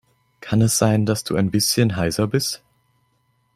Kann es sein, dass du ein bisschen heiser bist?